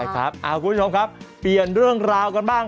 คุณผู้ชมครับเปลี่ยนเรื่องราวกันบ้าง